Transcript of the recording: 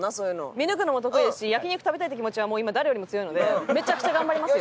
見抜くのも得意ですし焼肉食べたいっていう気持ちは今誰よりも強いのでめちゃくちゃ頑張りますよ。